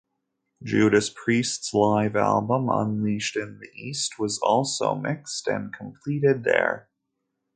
Judas Priest's live album "Unleashed in the East" was also mixed and completed there.